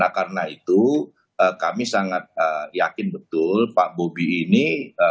karena itu kami sangat yakin betul pak bobi ini